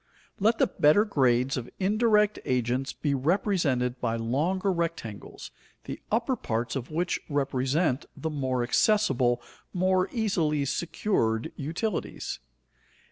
Let the better grades of indirect agents be represented by longer rectangles, the upper parts of which represent the more accessible, more easily secured utilities.